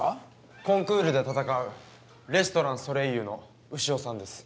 コンクールでたたかうレストラン「ソレイユ」の牛尾さんです。